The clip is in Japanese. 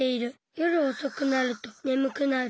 夜おそくなるとねむくなる。